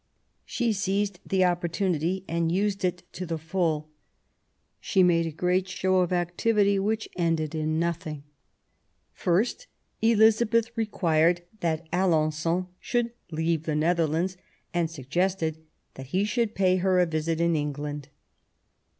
She seized the opportunity, and used it to the full. She made a great show of activity which ended in nothing. First Elizabeth required that Alen9on should leave the Netherlands, and suggested that he should pay her a visit in England.